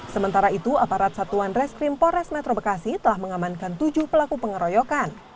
sementara itu aparat satuan reskrim polres metro bekasi telah mengamankan tujuh pelaku pengeroyokan